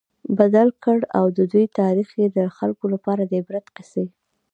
بدل کړ، او د دوی تاريخ ئي د خلکو لپاره د عبرت قيصي